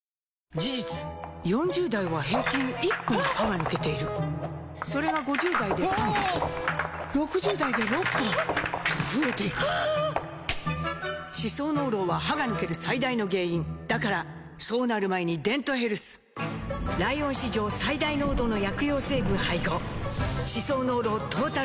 事実４０代は平均１本歯が抜けているそれが５０代で３本６０代で６本と増えていく歯槽膿漏は歯が抜ける最大の原因だからそうなる前に「デントヘルス」ライオン史上最大濃度の薬用成分配合歯槽膿漏トータルケア！